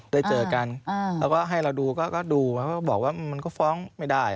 ได้เจอกันอ่าแล้วก็ให้เราดูก็ก็ดูแล้วก็บอกว่ามันมันก็ฟ้องไม่ได้อ่า